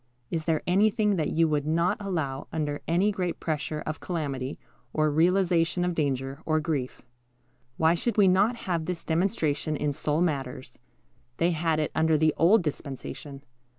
Is there anything that you would not allow under any great pressure of calamity, or realization of danger, or grief? Why should we not have this demonstration in soul matters? They had it under the old dispensation.